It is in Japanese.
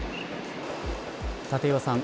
立岩さん